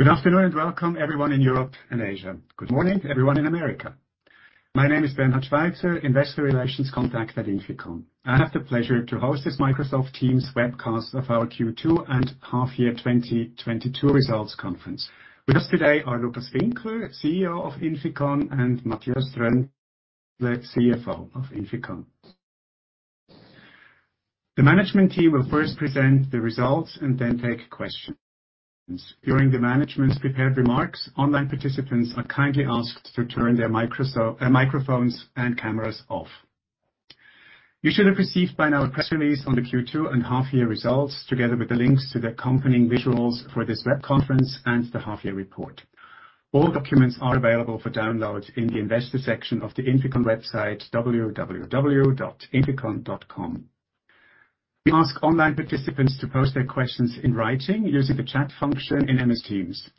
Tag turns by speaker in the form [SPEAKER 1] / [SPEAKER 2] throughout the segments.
[SPEAKER 1] Good afternoon, and welcome everyone in Europe and Asia. Good morning, everyone in America. My name is Bernhard Schweizer, investor relations contact at INFICON. I have the pleasure to host this Microsoft Teams webcast of our Q2 and half year 2022 results conference. With us today are Lukas Winkler, CEO of INFICON, and Matthias Tröndle, the CFO of INFICON. The management team will first present the results and then take questions. During the management's prepared remarks, online participants are kindly asked to turn their microphones and cameras off. You should have received by now a press release on the Q2 and half year results, together with the links to the accompanying visuals for this web conference and the half year report. All documents are available for download in the investor section of the INFICON website, www.inficon.com. We ask online participants to post their questions in writing using the chat function in MS Teams.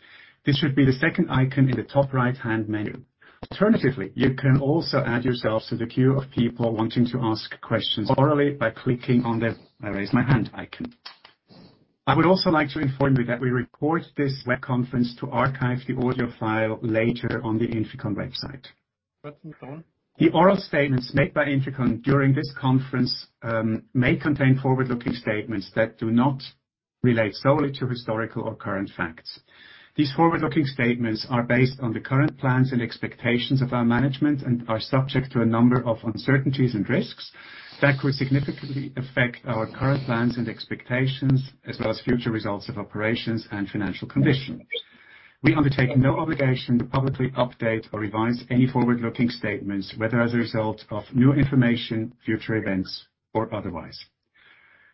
[SPEAKER 1] This should be the second icon in the top right-hand menu. Alternatively, you can also add yourself to the queue of people wanting to ask questions orally by clicking on the raise my hand icon. I would also like to inform you that we record this web conference to archive the audio file later on the INFICON website. The oral statements made by INFICON during this conference may contain forward-looking statements that do not relate solely to historical or current facts. These forward-looking statements are based on the current plans and expectations of our management and are subject to a number of uncertainties and risks that could significantly affect our current plans and expectations, as well as future results of operations and financial conditions. We undertake no obligation to publicly update or revise any forward-looking statements, whether as a result of new information, future events or otherwise.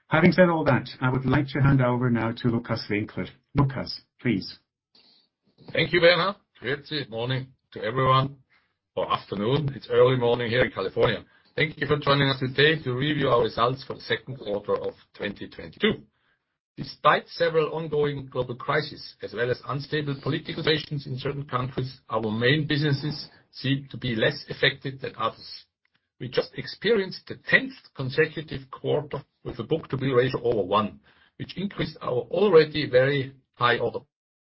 [SPEAKER 1] Having said all that, I would like to hand over now to Lukas Winkler. Lukas, please.
[SPEAKER 2] Thank you, Bernhard. Grüezi. Morning to everyone, or afternoon. It's early morning here in California. Thank you for joining us today to review our results for the 2nd quarter of 2022. Despite several ongoing global crises as well as unstable political relations in certain countries, our main businesses seem to be less affected than others. We just experienced the 10th consecutive quarter with a book-to-bill ratio over 1, which increased our already very high order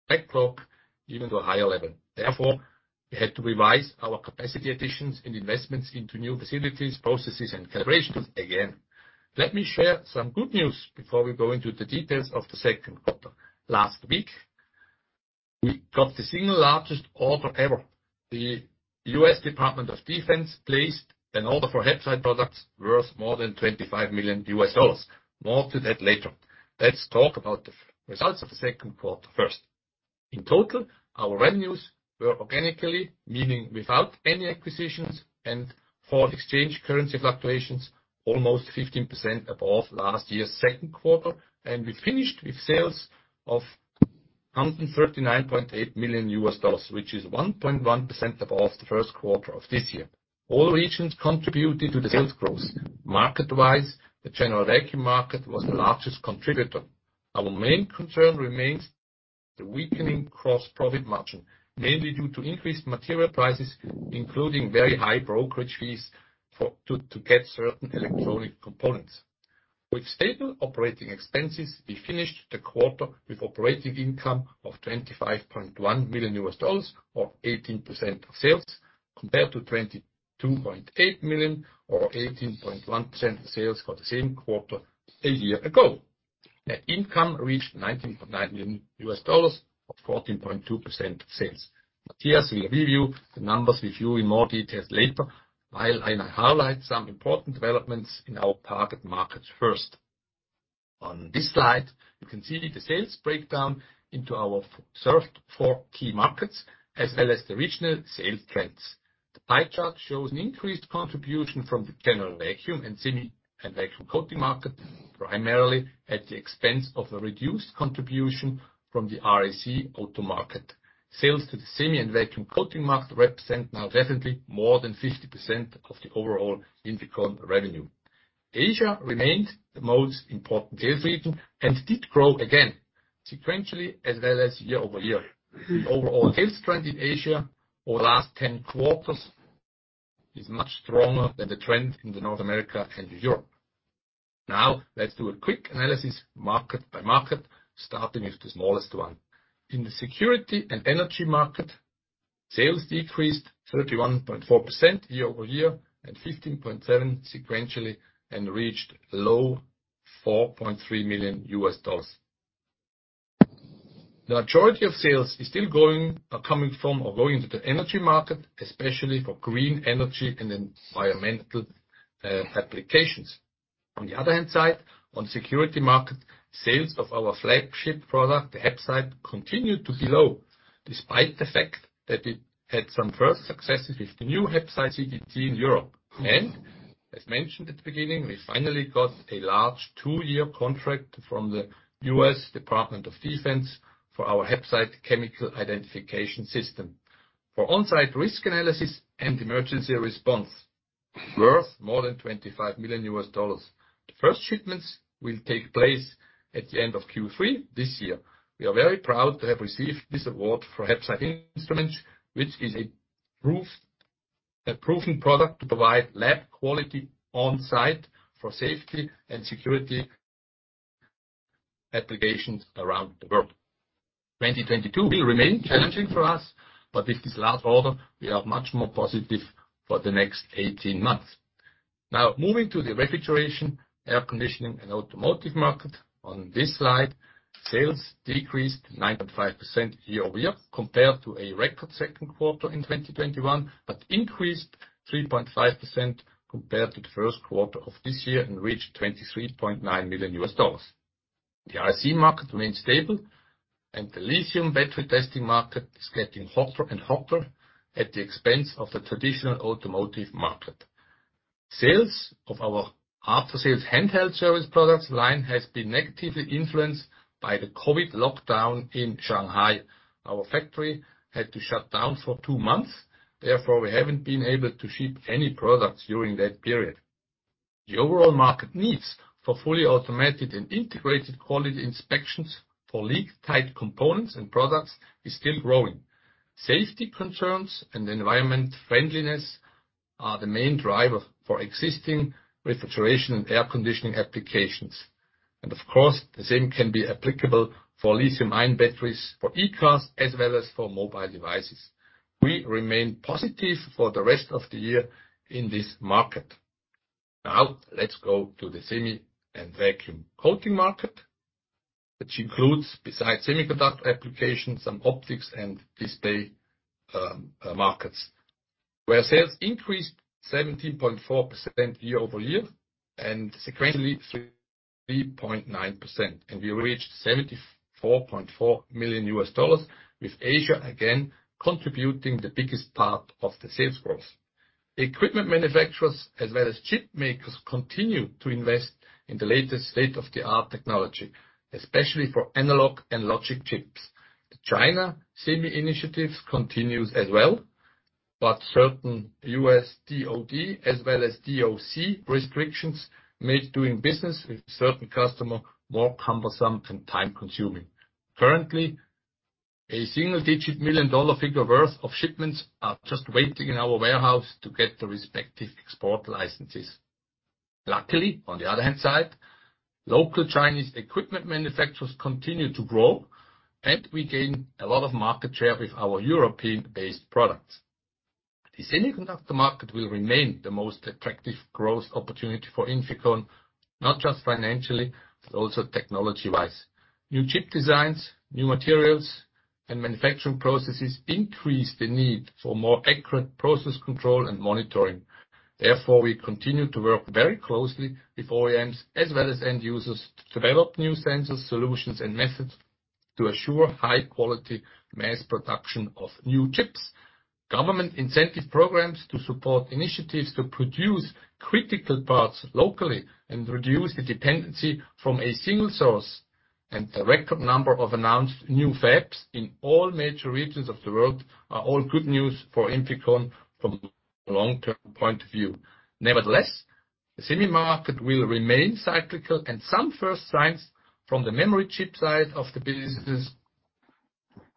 [SPEAKER 2] backlog even to a higher level. Therefore, we had to revise our capacity additions and investments into new facilities, processes and calibrations again. Let me share some good news before we go into the details of the 2nd quarter. Last week, we got the single largest order ever. The U.S. Department of Defense placed an order for HAPSITE products worth more than $25 million. More on that later. Let's talk about the results of the second quarter first. In total, our revenues were organically, meaning without any acquisitions and foreign exchange currency fluctuations, almost 15% above last year's second quarter, and we finished with sales of $139.8 million, which is 1.1% above the first quarter of this year. All regions contributed to the sales growth. Market-wise, the general vacuum market was the largest contributor. Our main concern remains the weakening gross profit margin, mainly due to increased material prices, including very high brokerage fees to get certain electronic components. With stable operating expenses, we finished the quarter with operating income of $25.1 million, or 18% of sales, compared to $22.8 million or 18.1% of sales for the same quarter a year ago. Net income reached $19.9 million, 14.2% of sales. Matthias will review the numbers with you in more detail later, while I now highlight some important developments in our target markets first. On this slide, you can see the sales breakdown into our served four key markets, as well as the regional sales trends. The pie chart shows an increased contribution from the general vacuum and semi and vacuum coating market, primarily at the expense of a reduced contribution from the RAC auto market. Sales to the semi and vacuum coating market represent now definitely more than 50% of the overall INFICON revenue. Asia remained the most important sales region and did grow again sequentially as well as year-over-year. The overall sales trend in Asia over the last 10 quarters is much stronger than the trend in North America and Europe. Now let's do a quick analysis market by market, starting with the smallest one. In the security and energy market, sales decreased 31.4% year-over-year and 15.7% sequentially, and reached low $4.3 million. The majority of sales is still going or coming from or going to the energy market, especially for green energy and environmental applications. On the other hand side, on security market, sales of our flagship product, the HAPSITE, continued to be low, despite the fact that it had some first successes with the new HAPSITE CDT in Europe. As mentioned at the beginning, we finally got a large two-year contract from the U.S. Department of Defense for our HAPSITE chemical identification system for on-site risk analysis and emergency response worth more than $25 million. The first shipments will take place at the end of Q3 this year. We are very proud to have received this award for HAPSITE instruments, which is a proven product to provide lab-quality on-site for safety and security applications around the world. 2022 will remain challenging for us, but with this last order, we are much more positive for the next 18 months. Now moving to the refrigeration, air conditioning and automotive market. On this slide, sales decreased 9.5% year-over-year compared to a record second quarter in 2021, but increased 3.5% compared to the first quarter of this year and reached $23.9 million. The IC market remains stable and the lithium battery testing market is getting hotter and hotter at the expense of the traditional automotive market. Sales of our after-sales handheld service products line has been negatively influenced by the COVID lockdown in Shanghai. Our factory had to shut down for two months. Therefore, we haven't been able to ship any products during that period. The overall market needs for fully automated and integrated quality inspections for leak-tight components and products is still growing. Safety concerns and environmental friendliness are the main driver for existing refrigeration and air conditioning applications. Of course, the same can be applicable for lithium-ion batteries for e-cars as well as for mobile devices. We remain positive for the rest of the year in this market. Now let's go to the semi and vacuum coating market, which includes, besides semiconductor applications, some optics and display markets, where sales increased 17.4% year-over-year and sequentially 3.9%. We reached $74.4 million, with Asia again contributing the biggest part of the sales growth. Equipment manufacturers as well as chip makers continue to invest in the latest state-of-the-art technology, especially for analog and logic chips. The China semi initiatives continues as well, but certain U.S. DOD as well as DOC restrictions make doing business with certain customer more cumbersome and time-consuming. Currently, a single-digit $1 million-$9 million figure worth of shipments are just waiting in our warehouse to get the respective export licenses. Luckily, on the other hand side, local Chinese equipment manufacturers continue to grow, and we gain a lot of market share with our European-based products. The semiconductor market will remain the most attractive growth opportunity for INFICON, not just financially, but also technology-wise. New chip designs, new materials, and manufacturing processes increase the need for more accurate process control and monitoring. Therefore, we continue to work very closely with OEMs as well as end users to develop new sensors, solutions, and methods to assure high quality mass production of new chips. Government incentive programs to support initiatives to produce critical parts locally and reduce the dependency from a single source, and a record number of announced new fabs in all major regions of the world are all good news for INFICON from a long-term point of view. Nevertheless, the semi market will remain cyclical, and some first signs from the memory chip side of the business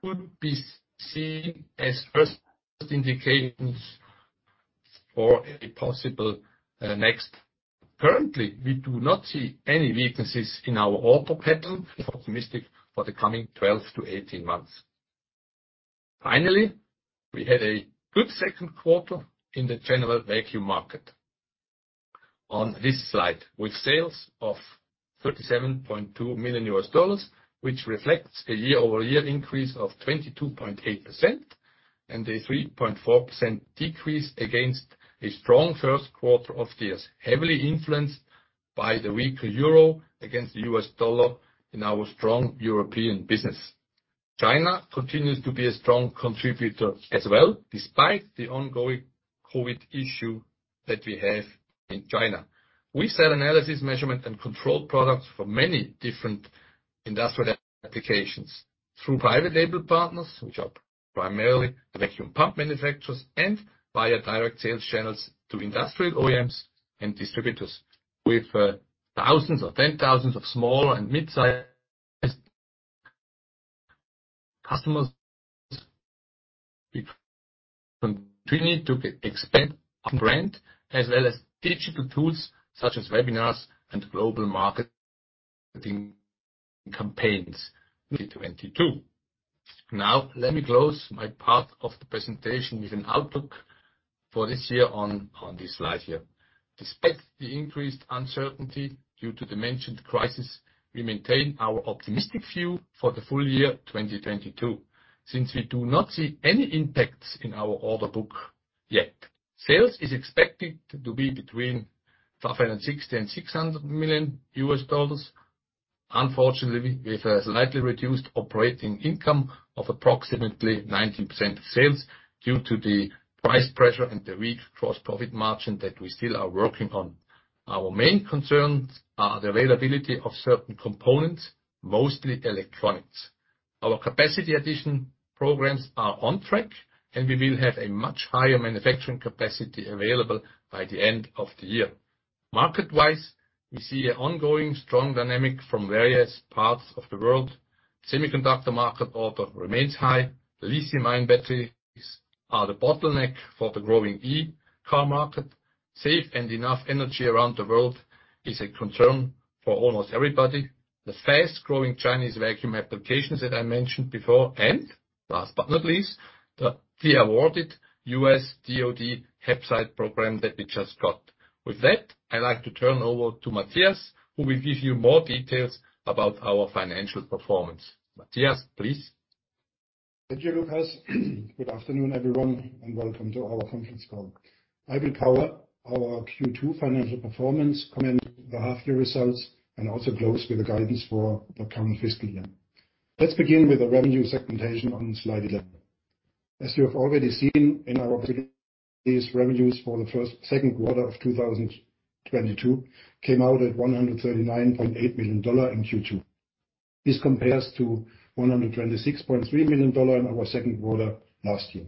[SPEAKER 2] could be seen as first indications for a possible next. Currently, we do not see any weaknesses in our order pattern, optimistic for the coming 12-18 months. Finally, we had a good second quarter in the general vacuum market. On this slide, with sales of $37.2 million, which reflects a year-over-year increase of 22.8% and a 3.4% decrease against a strong first quarter of this, heavily influenced by the weaker euro against the US dollar in our strong European business. China continues to be a strong contributor as well, despite the ongoing COVID issue that we have in China. We sell analysis, measurement, and control products for many different industrial applications through private label partners, which are primarily vacuum pump manufacturers, and via direct sales channels to industrial OEMs and distributors. With, thousands or 10,000s of small and mid-size customers, we continue to expand our brand as well as digital tools such as webinars and global marketing campaigns, 2022. Now let me close my part of the presentation with an outlook for this year on this slide here. Despite the increased uncertainty due to the mentioned crisis, we maintain our optimistic view for the full year 2022, since we do not see any impacts in our order book yet. Sales is expected to be between $560 million and $600 million. Unfortunately, with a slightly reduced operating income of approximately 19% sales due to the price pressure and the weak gross profit margin that we still are working on. Our main concerns are the availability of certain components, mostly electronics. Our capacity addition programs are on track, and we will have a much higher manufacturing capacity available by the end of the year. Market-wise, we see an ongoing strong dynamic from various parts of the world. Semiconductor market order remains high. Lithium-ion batteries are the bottleneck for the growing e-car market. Safe and enough energy around the world is a concern for almost everybody. The fast-growing Chinese vacuum applications that I mentioned before. Last but not least, the pre-awarded U.S. DOD HAPSITE program that we just got. With that, I'd like to turn over to Matthias, who will give you more details about our financial performance. Matthias, please.
[SPEAKER 3] Thank you, Lukas. Good afternoon, everyone, and welcome to our conference call. I will cover our Q2 financial performance, comment the half-year results, and also close with the guidance for the current fiscal year. Let's begin with the revenue segmentation on slide 11. As you have already seen in our previews, revenues for the second quarter of 2022 came out at $139.8 million in Q2. This compares to $126.3 million in our second quarter last year.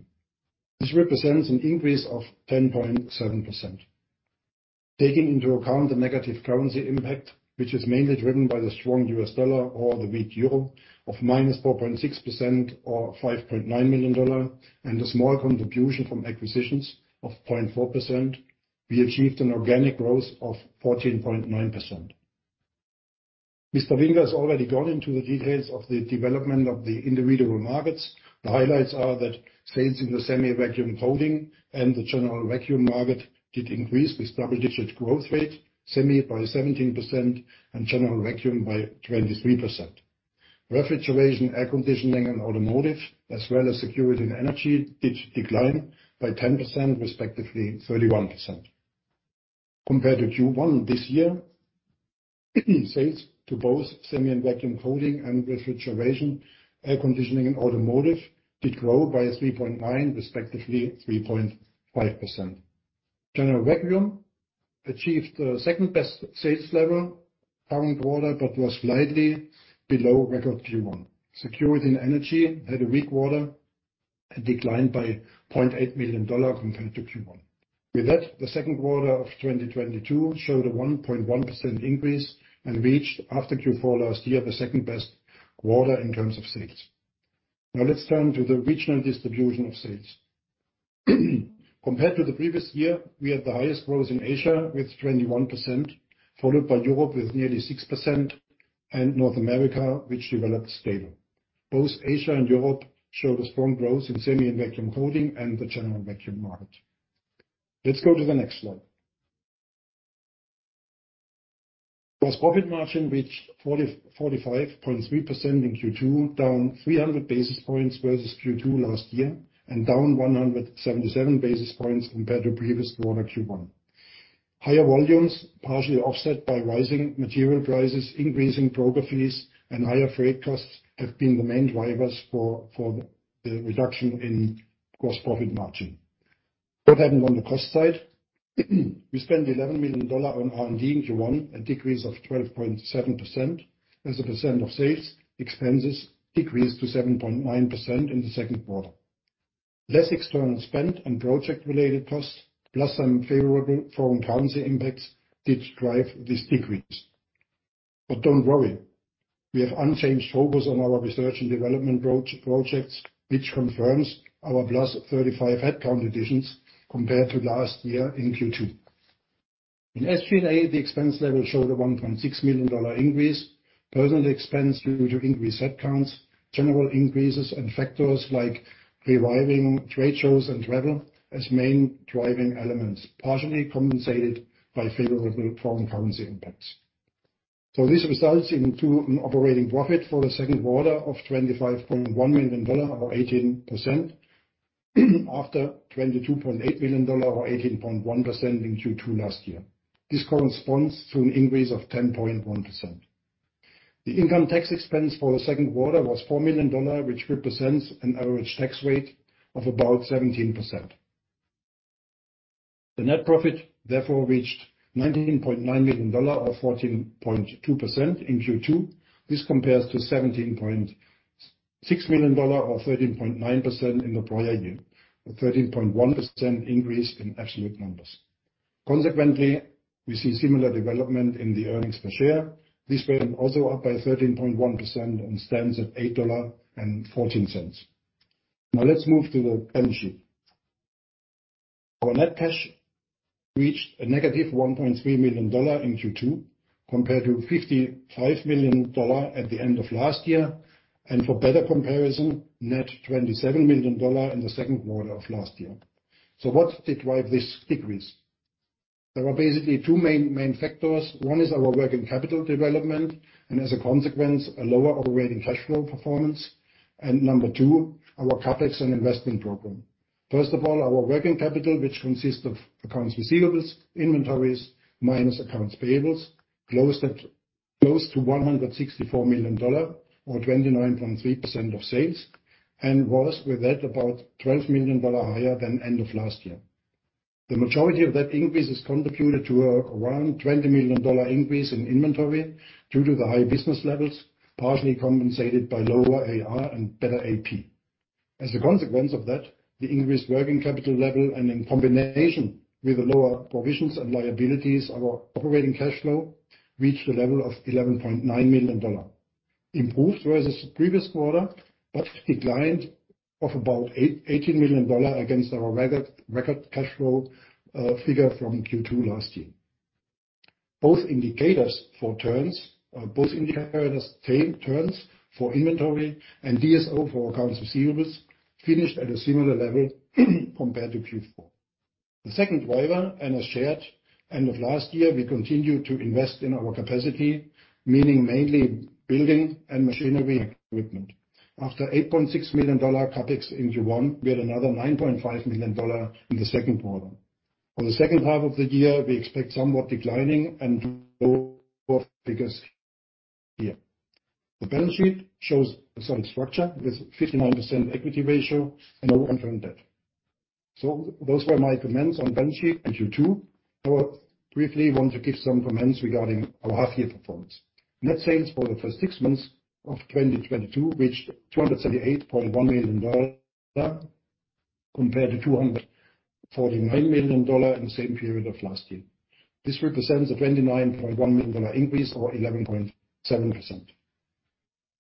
[SPEAKER 3] This represents an increase of 10.7%. Taking into account the negative currency impact, which is mainly driven by the strong US dollar or the weak euro of -4.6% or $5.9 million and a small contribution from acquisitions of 0.4%, we achieved an organic growth of 14.9%. Mr. Winkler has already gone into the details of the development of the individual markets. The highlights are that sales in the semi-vacuum coating and the general vacuum market did increase with double-digit growth rate, semi by 17% and general vacuum by 23%. Refrigeration, air conditioning, and automotive, as well as security and energy, did decline by 10%, respectively 31%. Compared to Q1 this year, sales to both semi and vacuum coating and refrigeration, air conditioning and automotive did grow by 3.9%, respectively 3.5%. General vacuum achieved the second-best sales level current quarter but was slightly below record Q1. Security and energy had a weak quarter and declined by $0.8 million compared to Q1. With that, the second quarter of 2022 showed a 1.1% increase and reached, after Q4 last year, the second-best quarter in terms of sales. Now let's turn to the regional distribution of sales. Compared to the previous year, we had the highest growth in Asia with 21%, followed by Europe with nearly 6%, and North America, which developed stable. Both Asia and Europe showed a strong growth in semi and vacuum coating and the general vacuum market. Let's go to the next slide. Gross profit margin reached 45.3% in Q2, down 300 basis points versus Q2 last year, and down 177 basis points compared to previous quarter Q1. Higher volumes, partially offset by rising material prices, increasing broker fees, and higher freight costs have been the main drivers for the reduction in gross profit margin. What happened on the cost side? We spent $11 million on R&D in Q1, a decrease of 12.7%. As a percent of sales, expenses decreased to 7.9% in the second quarter. Less external spend and project-related costs, plus some favorable foreign currency impacts, did drive this decrease. Don't worry, we have unchanged focus on our research and development projects, which confirms our +35 headcount additions compared to last year in Q2. In SG&A, the expense level showed a $1.6 million increase. Personnel expense due to increased headcounts, general increases, and factors like reviving trade shows and travel as main driving elements, partially compensated by favorable foreign currency impacts. This results into an operating profit for the second quarter of $25.1 million or 18% after $22.8 million or 18.1% in Q2 last year. This corresponds to an increase of 10.1%. The income tax expense for the second quarter was $4 million, which represents an average tax rate of about 17%. The net profit therefore reached $19.9 million or 14.2% in Q2. This compares to $17.6 million or 13.9% in the prior year. A 13.1% increase in absolute numbers. Consequently, we see similar development in the earnings per share. This went also up by 13.1% and stands at $8.14. Now let's move to the balance sheet. Our net cash reached -$1.3 million in Q2 compared to $55 million at the end of last year. For better comparison, net $27 million in the second quarter of last year. What did drive this decrease? There are basically two main factors. One is our working capital development, and as a consequence, a lower operating cash flow performance. Number two, our CapEx and investment program. First of all, our working capital, which consists of accounts receivables, inventories, minus accounts payables, closed at close to $164 million or 29.3% of sales, and was with that about $12 million higher than end of last year. The majority of that increase is contributed to around $20 million increase in inventory due to the high business levels, partially compensated by lower AR and better AP. As a consequence of that, the increased working capital level, and in combination with the lower provisions and liabilities, our operating cash flow reached a level of $11.9 million. Improved versus the previous quarter, but declined of about $18 million against our record cash flow figure from Q2 last year. Both indicators for turns, same turns for inventory and DSO for accounts receivables finished at a similar level compared to Q4. The second driver, as shared end of last year, we continued to invest in our capacity, meaning mainly building and machinery equipment. After $8.6 million CapEx in Q1, we had another $9.5 million in the second quarter. For the second half of the year, we expect somewhat declining and lower figures here. The balance sheet shows a sound structure with 59% equity ratio and no long-term debt. Those were my comments on balance sheet in Q2. I briefly want to give some comments regarding our half year performance. Net sales for the first six months of 2022 reached $278.1 million, compared to $249 million in the same period of last year. This represents a $29.1 million increase, or 11.7%.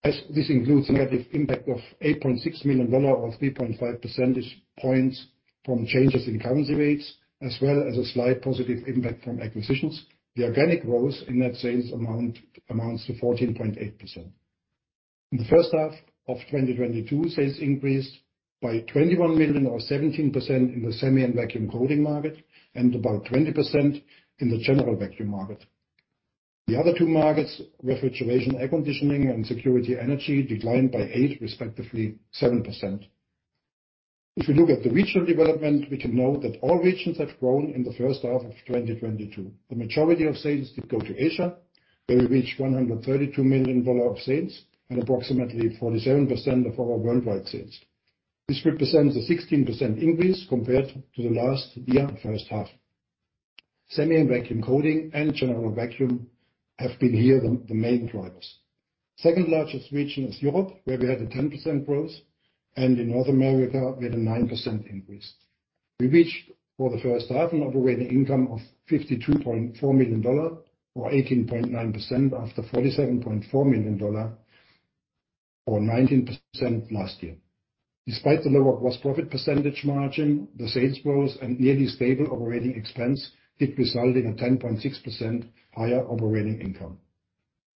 [SPEAKER 3] As this includes negative impact of $8.6 million or 3.5 percentage points from changes in currency rates, as well as a slight positive impact from acquisitions, the organic growth in net sales amounts to 14.8%. In the first half of 2022, sales increased by $21 million or 17% in the semi and vacuum coating market, and about 20% in the general vacuum market. The other two markets, refrigeration, air conditioning, and security energy, declined by 8%, respectively 7%. If you look at the regional development, we can note that all regions have grown in the first half of 2022. The majority of sales did go to Asia, where we reached $132 million of sales, at approximately 47% of our worldwide sales. This represents a 16% increase compared to the last year first half. Semi and vacuum coating and general vacuum have been here the main drivers. Second largest region is Europe, where we had a 10% growth, and in North America we had a 9% increase. We reached for the first half an operating income of $52.4 million or 18.9% after $47.4 million or 19% last year. Despite the lower gross profit margin, the sales growth and nearly stable operating expense did result in a 10.6% higher operating income.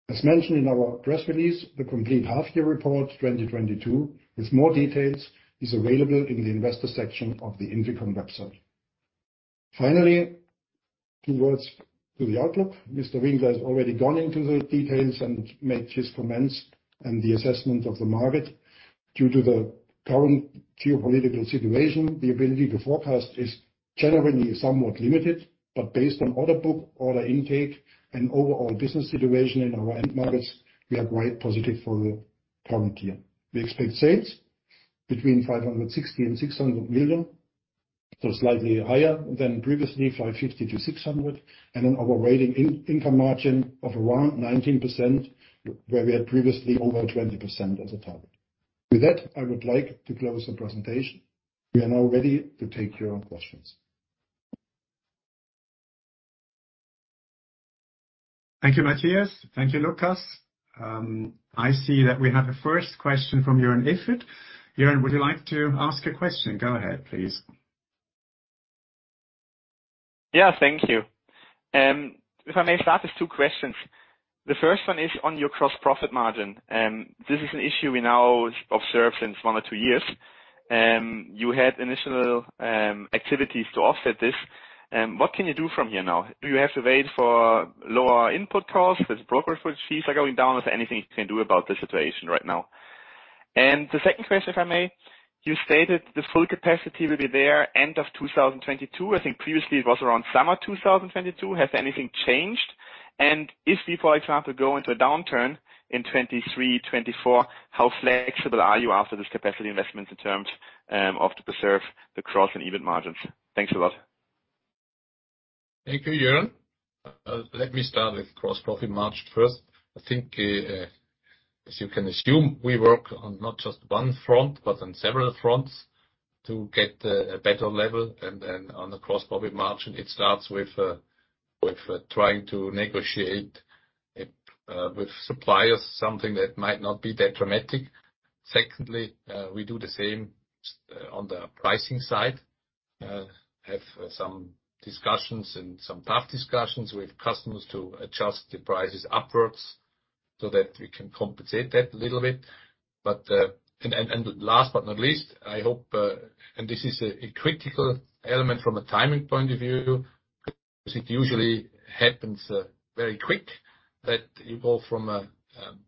[SPEAKER 3] As mentioned in our press release, the complete half-year report 2022 with more details is available in the investor section of the INFICON website. Finally, keywords to the outlook. Mr. Winkler has already gone into the details and made his comments and the assessment of the market. Due to the current geopolitical situation, the ability to forecast is generally somewhat limited. Based on order book, order intake and overall business situation in our end markets, we are quite positive for the current year. We expect sales between $560 million and $600 million, so slightly higher than previously, $550-$600 million. An operating income margin of around 19%, where we had previously over 20% as a target. With that, I would like to close the presentation. We are now ready to take your questions.
[SPEAKER 1] Thank you, Matthias. Thank you, Lukas. I see that we have a first question from Joern Iffert. Joern, would you like to ask a question? Go ahead, please.
[SPEAKER 4] Yeah, thank you. If I may start with 2 questions. The first one is on your gross profit margin. This is an issue we now observe since 1 or 2 years. You had initial activities to offset this. What can you do from here now? Do you have to wait for lower input costs as brokerage fees are going down? Is there anything you can do about the situation right now? The second question, if I may. You stated the full capacity will be there end of 2022. I think previously it was around summer 2022. Has anything changed? If we, for example, go into a downturn in 2023, 2024, how flexible are you after this capacity investment in terms of to preserve the gross and operating margins? Thanks a lot.
[SPEAKER 3] Thank you, Joern Iffert. Let me start with gross profit margin first. I think, as you can assume, we work on not just one front, but on several fronts to get a better level. On the gross profit margin, it starts with trying to negotiate it with suppliers, something that might not be that dramatic. Secondly, we do the same on the pricing side. Have some discussions and some tough discussions with customers to adjust the prices upwards so that we can compensate that a little bit. Last but not least, I hope, and this is a critical element from a timing point of view, because it usually happens very quick, that you go from a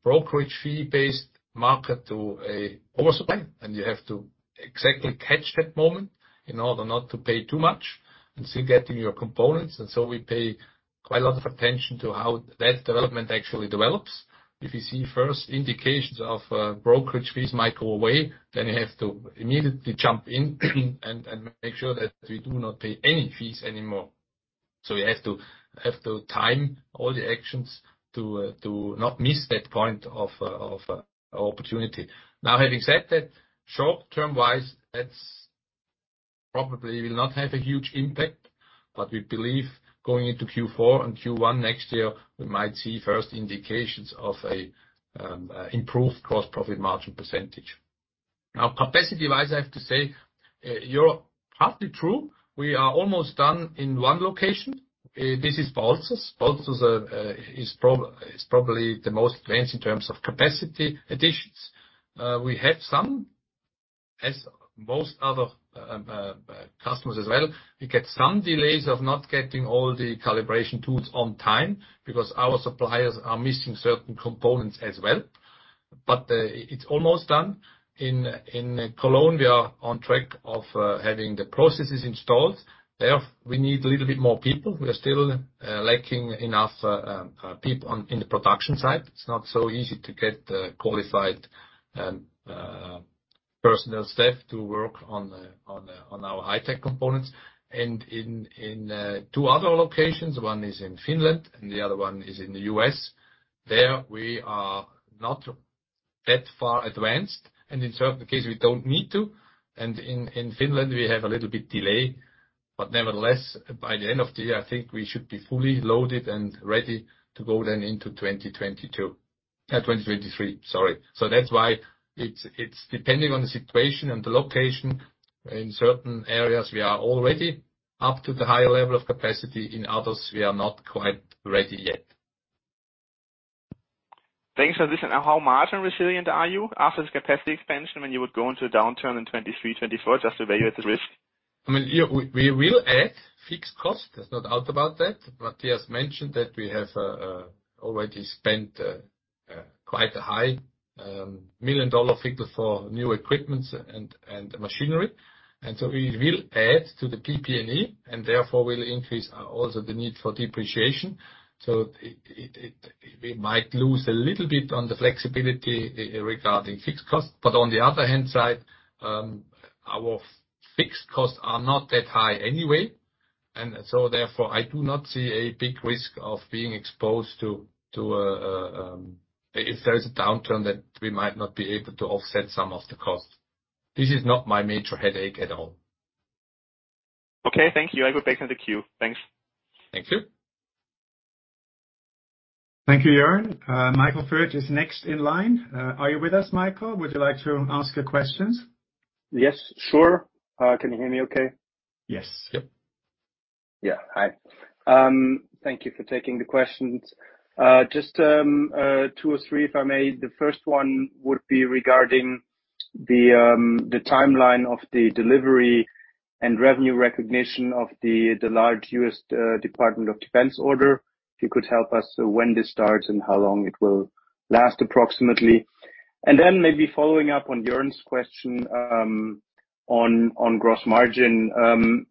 [SPEAKER 3] brokerage fee based market to an oversupply, and you have to exactly catch that moment in order not to pay too much and still getting your components. We pay quite a lot of attention to how that development actually develops. If you see first indications of brokerage fees might go away, then you have to immediately jump in and make sure that we do not pay any fees anymore.
[SPEAKER 2] We have to time all the actions to not miss that point of opportunity. Now, having said that, short-term wise, it's probably will not have a huge impact, but we believe going into Q4 and Q1 next year, we might see first indications of a improved gross profit margin percentage. Now, capacity-wise, I have to say, you're partly true. We are almost done in one location. This is Balzers. Balzers is probably the most advanced in terms of capacity additions. We had some, as most other customers as well, we get some delays of not getting all the calibration tools on time because our suppliers are missing certain components as well. But, it's almost done. In Cologne, we are on track of having the processes installed. We need a little bit more people there. We are still lacking enough people on the production side. It's not so easy to get qualified personnel to work on our high-tech components. In two other locations, one is in Finland and the other one is in the U.S. There, we are not that far advanced, and in certain cases, we don't need to. In Finland, we have a little bit delay, but nevertheless, by the end of the year, I think we should be fully loaded and ready to go then into 2022, 2023, sorry. That's why it's depending on the situation and the location. In certain areas, we are already up to the higher level of capacity. In others, we are not quite ready yet.
[SPEAKER 4] Thanks for this. How margin resilient are you after the capacity expansion when you would go into a downturn in 2023-2024? Just to evaluate the risk.
[SPEAKER 2] I mean, yeah, we will add fixed cost. There's no doubt about that. Matthias mentioned that we have already spent quite a high million-dollar figure for new equipment and machinery. We will add to the PP&E, and therefore will increase also the need for depreciation. We might lose a little bit on the flexibility regarding fixed cost. On the other hand side, our fixed costs are not that high anyway. Therefore, I do not see a big risk of being exposed to a, if there is a downturn that we might not be able to offset some of the costs. This is not my major headache at all.
[SPEAKER 4] Okay, thank you. I go back in the queue. Thanks.
[SPEAKER 2] Thank you.
[SPEAKER 1] Thank you, Joern. Michael Foeth is next in line. Are you with us, Michael? Would you like to ask your questions?
[SPEAKER 5] Yes, sure. Can you hear me okay?
[SPEAKER 1] Yes.
[SPEAKER 2] Yep.
[SPEAKER 5] Yeah. Hi. Thank you for taking the questions. Just two or three, if I may. The first one would be regarding the timeline of the delivery and revenue recognition of the large U.S. Department of Defense order. If you could help us when this starts and how long it will last approximately. Maybe following up on Joern's question on gross margin,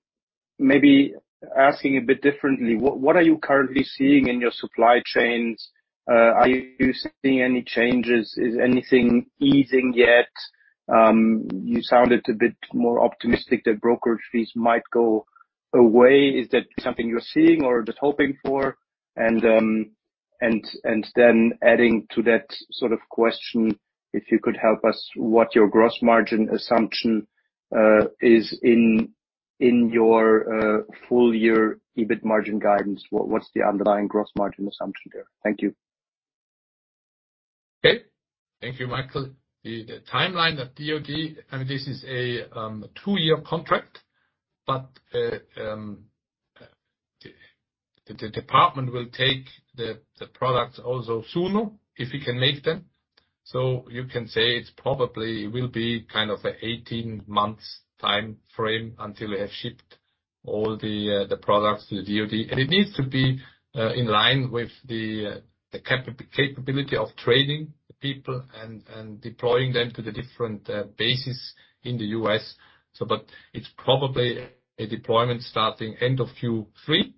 [SPEAKER 5] maybe asking a bit differently, what are you currently seeing in your supply chains? Are you seeing any changes? Is anything easing yet? You sounded a bit more optimistic that brokerage fees might go away. Is that something you're seeing or just hoping for? Adding to that sort of question, if you could help us what your gross margin assumption is in your full year EBIT margin guidance? What's the underlying gross margin assumption there? Thank you.
[SPEAKER 2] Okay. Thank you, Michael. The timeline of DOD, I mean, this is a 2-year contract, but the department will take the products also sooner if we can make them. You can say it's probably will be kind of 18 months timeframe until we have shipped all the products to the DOD. It needs to be in line with the capability of training the people and deploying them to the different bases in the U.S. But it's probably a deployment starting end of Q3,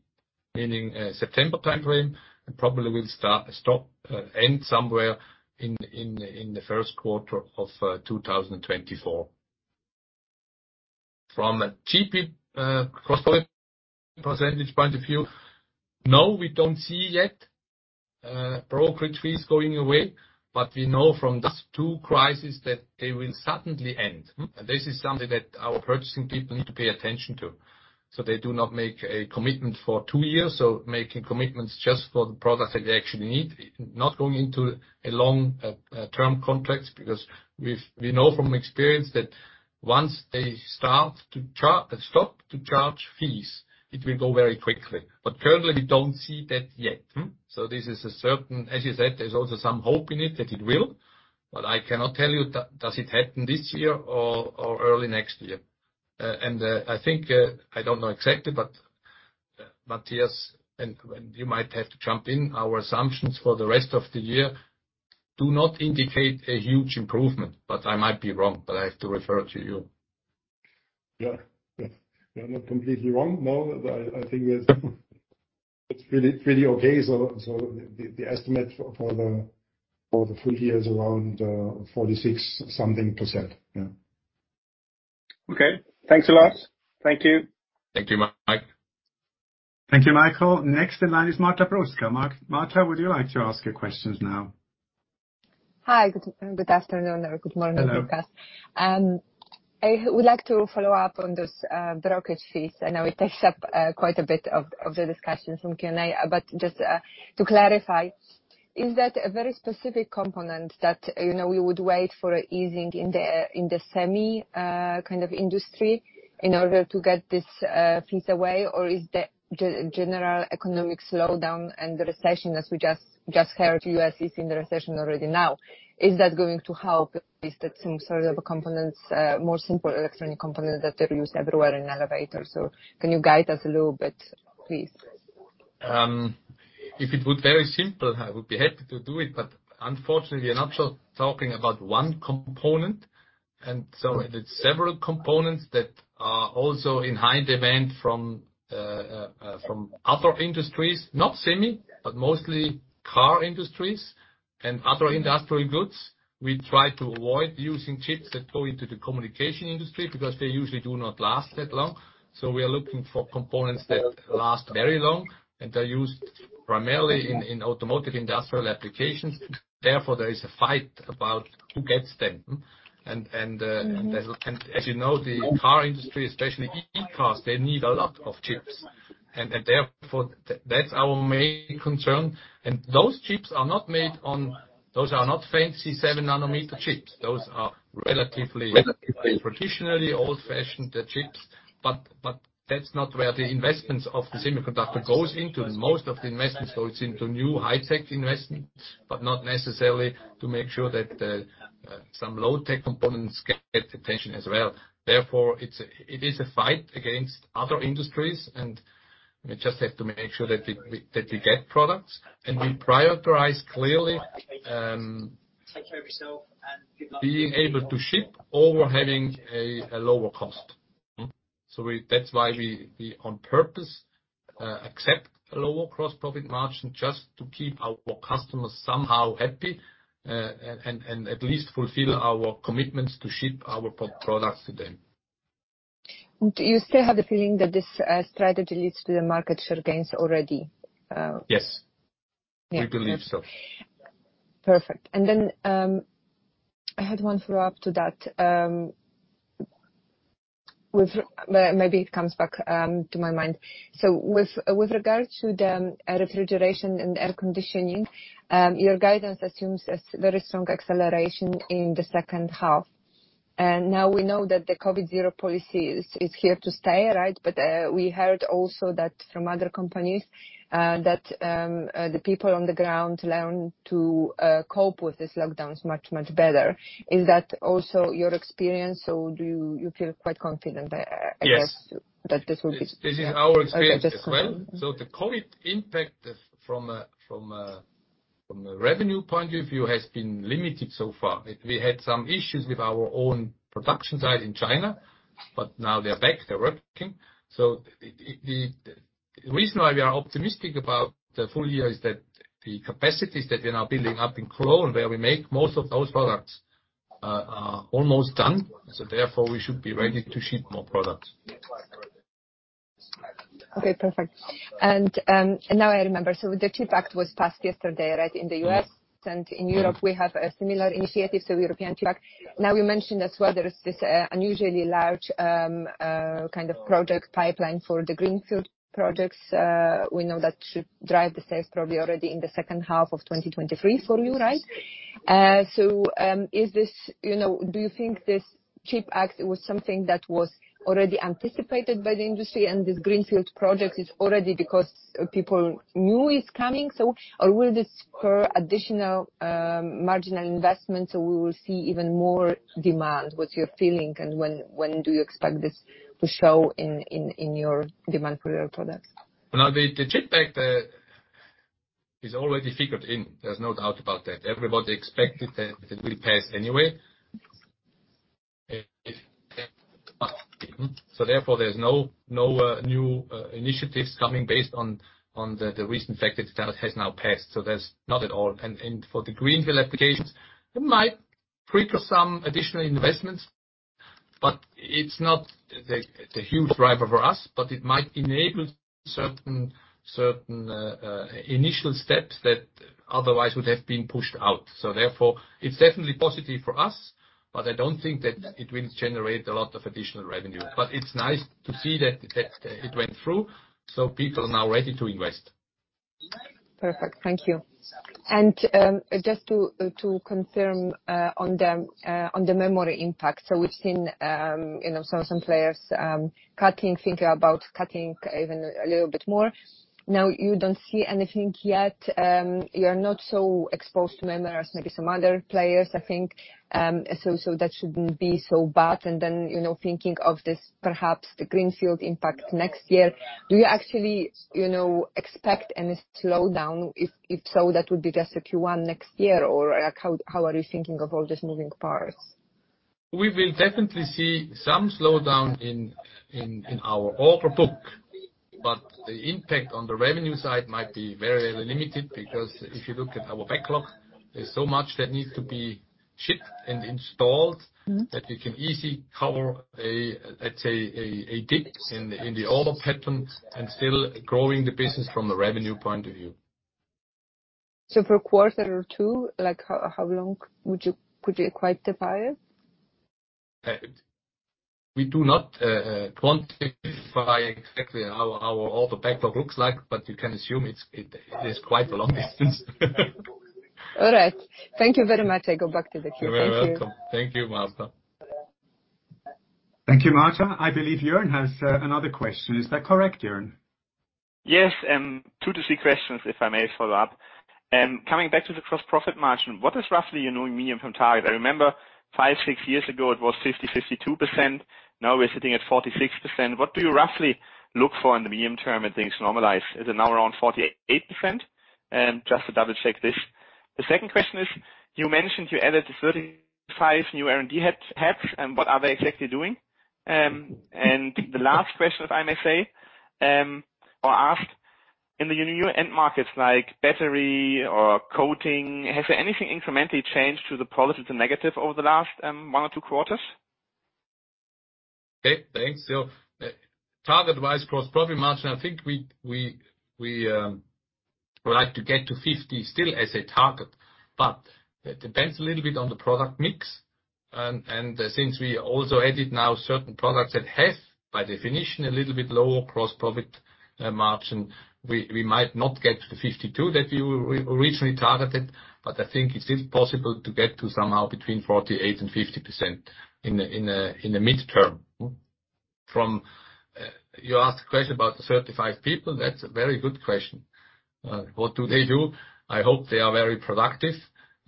[SPEAKER 2] meaning a September timeframe, and probably will end somewhere in the first quarter of 2024. From a gross percentage point of view, no, we don't see yet brokerage fees going away, but we know from these two crises that they will suddenly end. This is something that our purchasing people need to pay attention to. They do not make a commitment for two years, so making commitments just for the products that they actually need, not going into a long-term contracts, because we know from experience that once they stop charging fees, it will go very quickly. Currently, we don't see that yet. This is a certain. As you said, there's also some hope in it that it will, but I cannot tell you does it happen this year or early next year. I think I don't know exactly, but Matthias, you might have to jump in. Our assumptions for the rest of the year do not indicate a huge improvement, but I might be wrong, but I have to refer to you.
[SPEAKER 3] Yeah. You are not completely wrong. No, I think it's really okay. The estimate for the full year is around 46 something %.
[SPEAKER 5] Okay. Thanks a lot. Thank you.
[SPEAKER 2] Thank you, Mike.
[SPEAKER 1] Thank you, Michael. Next in line is Marta Bruska. Marta, would you like to ask your questions now?
[SPEAKER 6] Hi. Good afternoon or good morning, Lukas.
[SPEAKER 2] Hello.
[SPEAKER 6] I would like to follow up on this brokerage fees. I know it takes up quite a bit of the discussion from Q&A, but just to clarify, is that a very specific component that, you know, we would wait for easing in the semiconductor industry in order to get this fees away? Or is the general economic slowdown and the recession, as we just heard, U.S. is in the recession already now. Is that going to help? Is that some sort of a components more simple electronic component that they use everywhere in elevators? Can you guide us a little bit, please?
[SPEAKER 2] If it was very simple, I would be happy to do it, but unfortunately, we're not talking about one component, and so it's several components that are also in high demand from other industries, not semi, but mostly car industries and other industrial goods. We try to avoid using chips that go into the communication industry because they usually do not last that long. We are looking for components that last very long, and they're used primarily in automotive industrial applications. Therefore, there is a fight about who gets them. As you know, the car industry, especially e-cars, they need a lot of chips. Therefore, that's our main concern. Those are not fancy 7-nanometer chips. Those are relatively traditionally old-fashioned chips. That's not where the investments of the semiconductor goes into. Most of the investment goes into new high-tech investment, but not necessarily to make sure that some low-tech components get attention as well. Therefore, it's a fight against other industries, and we just have to make sure that we get products. We prioritize clearly being able to ship over having a lower cost. That's why we on purpose accept a lower gross profit margin just to keep our customers somehow happy, and at least fulfill our commitments to ship our products to them.
[SPEAKER 6] Do you still have the feeling that this strategy leads to the market share gains already?
[SPEAKER 2] Yes.
[SPEAKER 6] Yeah.
[SPEAKER 2] We believe so.
[SPEAKER 6] Perfect. I had one follow-up to that. Maybe it comes back to my mind. With regards to the refrigeration and air conditioning, your guidance assumes a very strong acceleration in the second half. Now we know that the COVID zero policy is here to stay, right? We heard also that from other companies that the people on the ground learn to cope with these lockdowns much better. Is that also your experience, or do you feel quite confident that I guess-
[SPEAKER 2] Yes.
[SPEAKER 6] that this will be
[SPEAKER 2] This is our experience as well. The COVID impact from a revenue point of view has been limited so far. We had some issues with our own production side in China, but now they're back, they're working. The reason why we are optimistic about the full year is that the capacities that we are now building up in Cologne, where we make most of those products, are almost done. Therefore, we should be ready to ship more products.
[SPEAKER 6] Okay, perfect. Now I remember. The CHIPS Act was passed yesterday, right, in the U.S. In Europe, we have a similar initiative, so European Chips Act. Now, we mentioned as well there is this unusually large kind of project pipeline for the greenfield projects. We know that should drive the sales probably already in the second half of 2023 for you, right? Is this, you know, do you think this CHIPS Act was something that was already anticipated by the industry and this greenfield project is already because people knew it's coming, so? Or will this spur additional marginal investment, so we will see even more demand? What's your feeling, and when do you expect this to show in your demand for your product?
[SPEAKER 2] Now, the CHIPS Act is already figured in. There's no doubt about that. Everybody expected that it will pass anyway. There's no new initiatives coming based on the recent fact that it has now passed. There's not at all. For the greenfield applications, it might trigger some additional investments, but it's not a huge driver for us, but it might enable certain initial steps that otherwise would have been pushed out. It's definitely positive for us, but I don't think that it will generate a lot of additional revenue. It's nice to see that it went through, so people are now ready to invest.
[SPEAKER 6] Perfect. Thank you. Just to confirm on the memory impact. We've seen you know some players cutting thinking about cutting even a little bit more. Now, you don't see anything yet. You're not so exposed to memory as maybe some other players, I think. That shouldn't be so bad. You know thinking of this, perhaps the greenfield impact next year. Do you actually you know expect any slowdown? If so, that would be just a Q1 next year or like how are you thinking of all these moving parts?
[SPEAKER 2] We will definitely see some slowdown in our order book. The impact on the revenue side might be very limited because if you look at our backlog, there's so much that needs to be shipped and installed.
[SPEAKER 6] Mm-hmm.
[SPEAKER 2] that you can easily cover a, let's say, a dip in the order pattern and still growing the business from a revenue point of view.
[SPEAKER 6] For a quarter or two, like, how long could you acquire the buyer?
[SPEAKER 2] We do not quantify exactly how our order backlog looks like, but you can assume it is quite a long distance.
[SPEAKER 6] All right. Thank you very much. I go back to the queue. Thank you.
[SPEAKER 2] You're very welcome. Thank you, Marta.
[SPEAKER 1] Thank you, Marta. I believe Joern has another question. Is that correct, Joern?
[SPEAKER 4] Yes, 2-3 questions, if I may follow up. Coming back to the gross profit margin, what is roughly your new medium-term target? I remember 5-6 years ago it was 50-52%. Now we're sitting at 46%. What do you roughly look for in the medium term when things normalize? Is it now around 48%? Just to double-check this. The second question is, you mentioned you added 35 new R&D heads, and what are they exactly doing? And the last question, if I may say, or ask, in the new end markets like battery or coating, has there anything incrementally changed to the positive to negative over the last 1 or 2 quarters?
[SPEAKER 2] Okay, thanks. Target-wise gross profit margin, I think we would like to get to 50% still as a target, but that depends a little bit on the product mix. Since we also added now certain products that have, by definition, a little bit lower gross profit margin, we might not get to the 52% that we originally targeted, but I think it is possible to get to somehow between 48%-50% in the midterm. You asked a question about the 35 people. That's a very good question. What do they do? I hope they are very productive.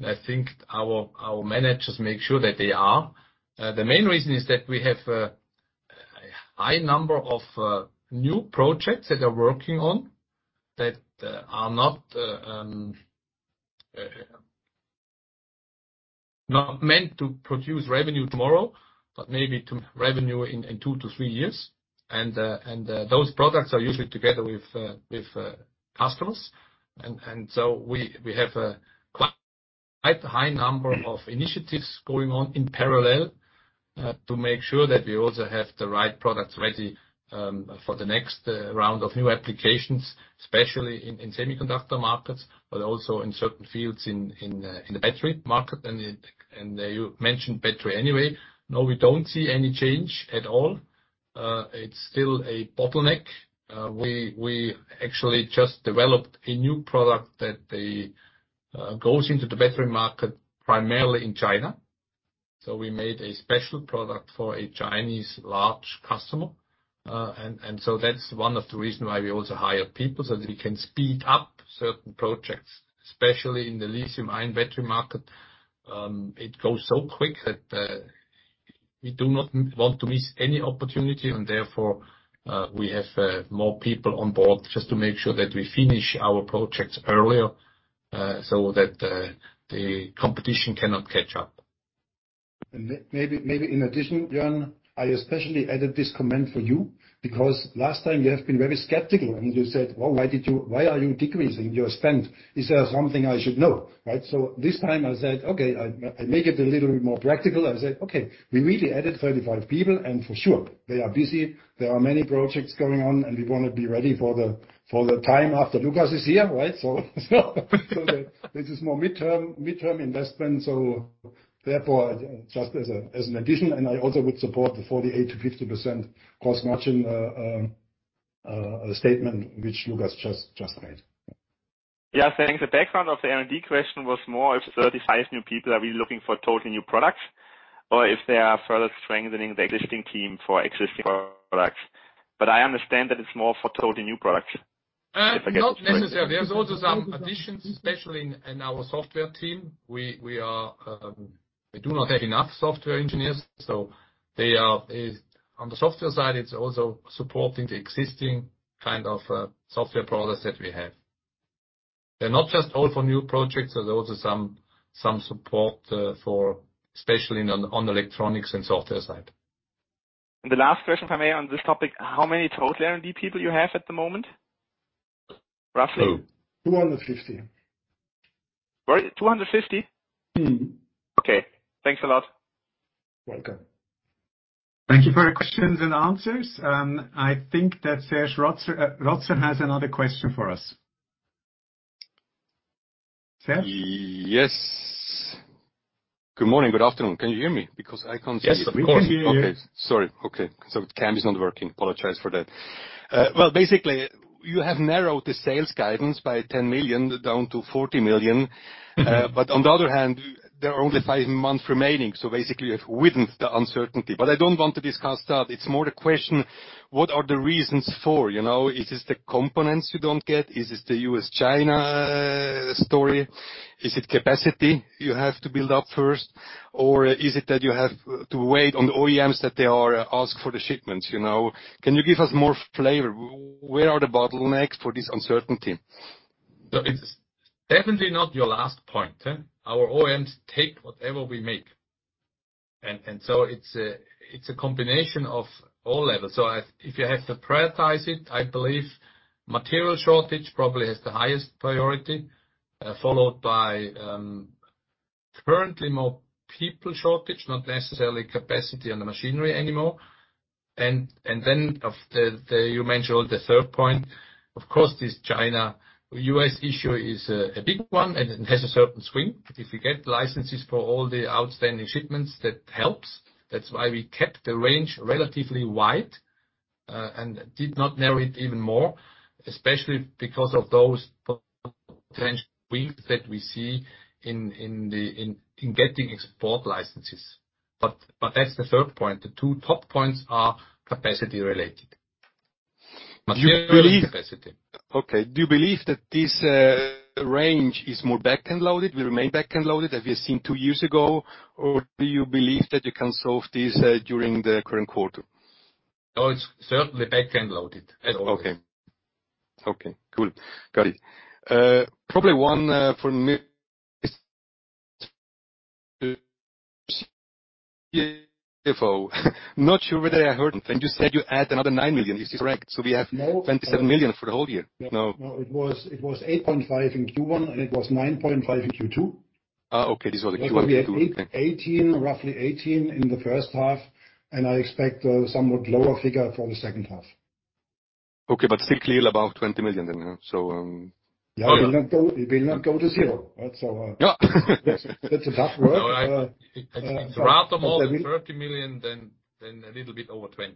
[SPEAKER 2] I think our managers make sure that they are. The main reason is that we have a high number of new projects that they're working on that are not meant to produce revenue tomorrow, but maybe to revenue in 2-3 years. Those products are usually together with customers. We have a quite high number of initiatives going on in parallel to make sure that we also have the right products ready for the next round of new applications, especially in semiconductor markets, but also in certain fields in the battery market. You mentioned battery anyway. No, we don't see any change at all. It's still a bottleneck. We actually just developed a new product that goes into the battery market primarily in China. We made a special product for a Chinese large customer. That's one of the reason why we also hire people, so we can speed up certain projects, especially in the lithium-ion battery market. It goes so quick that we do not want to miss any opportunity and therefore we have more people on board just to make sure that we finish our projects earlier, so that the competition cannot catch up.
[SPEAKER 3] Maybe in addition, Joern, I especially added this comment for you because last time you have been very skeptical and you said, "Well, why are you decreasing your spend? Is there something I should know?" Right? This time I said, "Okay, I make it a little bit more practical." I said, "Okay, we really added 35 people, and for sure they are busy. There are many projects going on, and we wanna be ready for the time after Lukas is here." Right? This is more midterm investment. Therefore, just as an addition, and I also would support the 48%-50% gross margin statement which Lukas just made.
[SPEAKER 4] Yeah, thanks. The background of the R&D question was more if 35 new people are really looking for totally new products or if they are further strengthening the existing team for existing products. I understand that it's more for totally new products. If I get you right?
[SPEAKER 2] Not necessarily. There's also some additions, especially in our software team. We do not have enough software engineers, so they are on the software side. It's also supporting the existing kind of software products that we have. They're not just all for new projects. There's also some support for especially on electronics and software side.
[SPEAKER 4] The last question for me on this topic, how many total R&D people you have at the moment, roughly?
[SPEAKER 2] 250.
[SPEAKER 4] Sorry, 250?
[SPEAKER 2] Mm-hmm.
[SPEAKER 4] Okay. Thanks a lot.
[SPEAKER 2] Welcome.
[SPEAKER 1] Thank you for your questions and answers. I think that Serge Rotzer has another question for us. Serge?
[SPEAKER 7] Yes. Good morning, good afternoon. Can you hear me? Because I can't see you.
[SPEAKER 1] Yes, we can hear you.
[SPEAKER 7] Sorry. Cam is not working. Apologize for that. Well, basically, you have narrowed the sales guidance by $10 million down to $40 million.
[SPEAKER 2] Mm-hmm.
[SPEAKER 7] On the other hand, there are only five months remaining, so basically you have widened the uncertainty. I don't want to discuss that. It's more the question, what are the reasons for? You know, is it the components you don't get? Is it the U.S., China, story? Is it capacity you have to build up first? Or is it that you have to wait on the OEMs that they are asking for the shipments, you know? Can you give us more flavor? Where are the bottlenecks for this uncertainty?
[SPEAKER 2] It's definitely not your last point. Our OEMs take whatever we make. It's a combination of all levels. If you have to prioritize it, I believe material shortage probably has the highest priority, followed by currently more people shortage, not necessarily capacity on the machinery anymore. You mentioned the third point. Of course, this China-US issue is a big one and has a certain swing. If we get licenses for all the outstanding shipments, that helps. That's why we kept the range relatively wide and did not narrow it even more, especially because of those potential swings that we see in getting export licenses. That's the third point. The two top points are capacity related. Material and capacity.
[SPEAKER 7] Okay. Do you believe that this, range is more back-end loaded, will remain back-end loaded as we have seen two years ago? Or do you believe that you can solve this, during the current quarter?
[SPEAKER 2] No, it's certainly back-end loaded at all.
[SPEAKER 7] Okay. Okay, cool. Got it. Probably one for me CFO. Not sure whether I heard when you said you add another $9 million. Is this correct? We have $27 million for the whole year now.
[SPEAKER 3] No, it was 8.5 in Q1, and it was 9.5 in Q2.
[SPEAKER 7] Okay. These were the Q1 and Q2. Okay.
[SPEAKER 3] 18, roughly 18 in the first half, and I expect a somewhat lower figure for the second half.
[SPEAKER 7] Okay, still clear above $20 million then.
[SPEAKER 3] Yeah. It will not go to zero.
[SPEAKER 7] Yeah.
[SPEAKER 3] That's a rough word.
[SPEAKER 2] No. I think rather more than $30 million than a little bit over $20.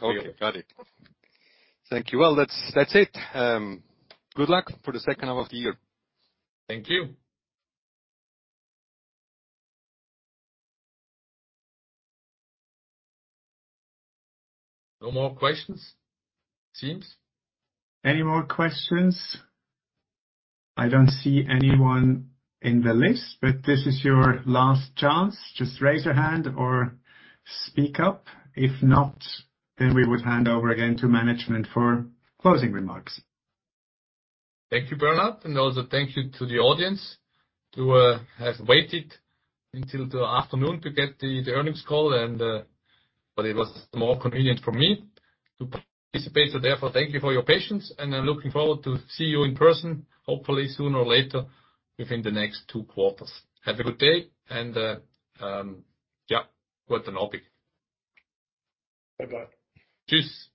[SPEAKER 7] Okay. Got it. Thank you. Well, that's it. Good luck for the second half of the year.
[SPEAKER 2] Thank you. No more questions it seems.
[SPEAKER 1] Any more questions? I don't see anyone in the list, but this is your last chance. Just raise your hand or speak up. If not, then we would hand over again to management for closing remarks.
[SPEAKER 2] Thank you, Bernhard. Also thank you to the audience who has waited until the afternoon to get the earnings call and it was more convenient for me to participate. Therefore, thank you for your patience, and I'm looking forward to see you in person hopefully sooner or later within the next two quarters. Have a good day and, yeah, welcome on board.
[SPEAKER 3] Bye-bye.
[SPEAKER 2] Tschüss.